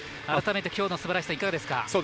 改めて、きょうのすばらしさいかがですか？